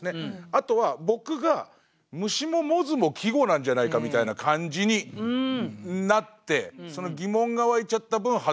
あとは僕が「虫」も「百舌鳥」も季語なんじゃないかみたいな感じになってその疑問が湧いちゃった分外してる。